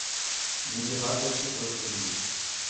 مینجے ہتھ چِھک وٹھتی ہنس